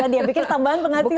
dia pikir tambahan penghasilan